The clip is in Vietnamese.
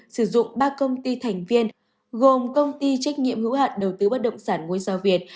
sử dụng ba công ty thành viên gồm công ty trách nhiệm hữu hạn đầu tư bất động sản ngôi sao việt